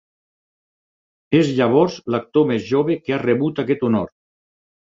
És llavors l'actor més jove que ha rebut aquest honor.